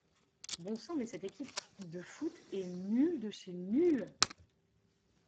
Bon sang mais cette équipe de foot est nulle de chez nulle!